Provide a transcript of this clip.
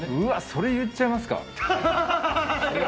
それ言っちゃいますか。